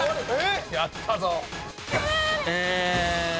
やったぞ。え。